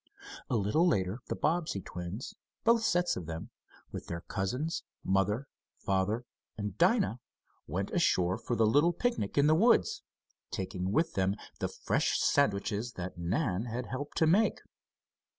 A little later, the Bobbsey twins both sets of them with their cousins, mother, father, and Dinah went ashore for the little picnic in the woods, taking with them the fresh sandwiches that Nan had helped to make.